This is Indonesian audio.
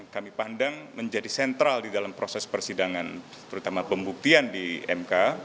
kami pandang menjadi sentral di dalam proses persidangan terutama pembuktian di mk